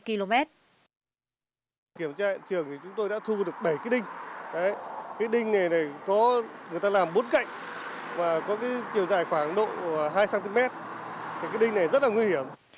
kiểm tra trường thì chúng tôi đã thu được bảy cái đinh cái đinh này có người ta làm bốn cạnh và có chiều dài khoảng độ hai cm cái đinh này rất là nguy hiểm